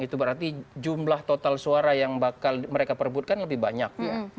itu berarti jumlah total suara yang bakal mereka perebutkan lebih banyak ya